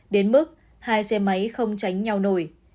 đến mức hai xe máy không tránh nhau nổi